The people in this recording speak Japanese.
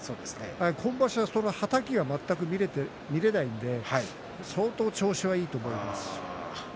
今場所は、はたきが全く見られていないので相当、調子がいいと思います。